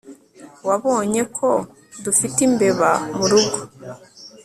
Wabonye ko dufite imbeba murugo